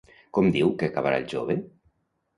Com diu que acabarà el jove?